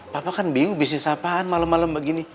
papa kan bingung bisnis apaan malem malem begini